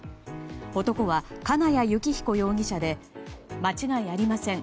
男は金谷幸彦容疑者で間違いありません